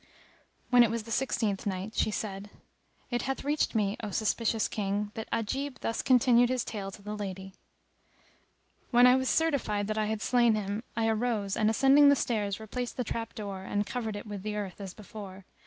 When it was the Sixteenth Night, She said, It hath reached me, O auspicious King, that Ajib thus continued his tale to the lady:—When I was certified that I had slain him, I arose and ascending the stairs replaced the trapdoor and covered it with earth as before.